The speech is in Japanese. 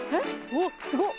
おっすごっ！